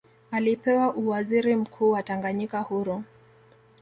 Alipewa uwaziri mkuu wa Tanganyika huru